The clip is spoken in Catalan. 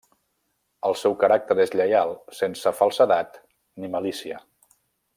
El seu caràcter és lleial sense falsedat ni malícia.